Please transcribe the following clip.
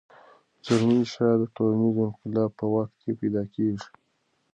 رزمي اشعار د ټولنیز انقلاب په وخت کې پیدا کېږي.